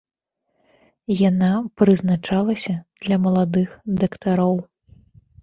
Яна прызначалася для маладых дактароў.